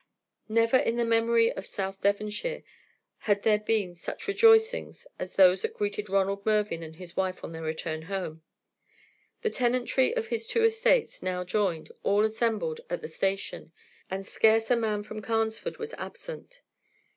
Never in the memory of South Devonshire had there been such rejoicings as those that greeted Ronald Mervyn and his wife on their return home. The tenantry of his two estates, now joined, all assembled at the station, and scarce a man from Carnesford was absent.